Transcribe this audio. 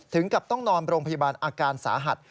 ถึงกับต้องนอนโรงพยาบาลอาการสาหัส